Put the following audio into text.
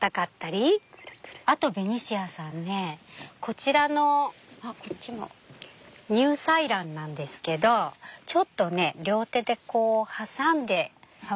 あとベニシアさんねこちらのニューサイランなんですけどちょっとね両手でこう挟んで触ってみて下さい。